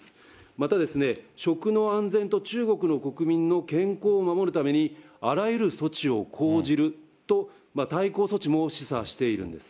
また、食の安全と中国の国民の健康を守るために、あらゆる措置を講じると、対抗措置も示唆しているんです。